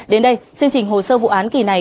đến đây chương trình hồ sơ vụ án kỳ này